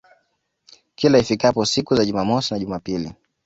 Kila ifikapo siku za Jumamosi na Jumapili